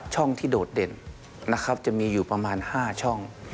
ช่องที่โดดเด่นนะครับจะมีอยู่ประมาณ๕ช่อง